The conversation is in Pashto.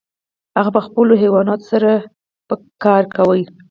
هغه به په خپلو حیواناتو سره پکې کار کاوه.